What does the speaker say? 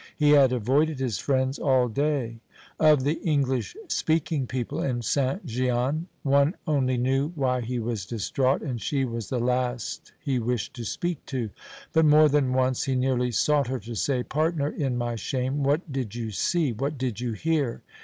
He had avoided his friends all day; of the English speaking people in St. Gian one only knew why he was distraught, and she was the last he wished to speak to; but more than once he nearly sought her to say, "Partner in my shame, what did you see? what did you hear?"